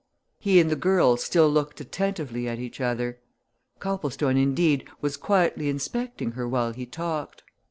He and the girl still looked attentively at each other; Copplestone, indeed, was quietly inspecting her while he talked.